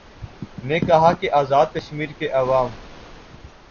نے کہا کہ آزادکشمیر کےعوام